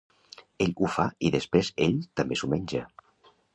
Ella ho fa i després ell també s'ho menja.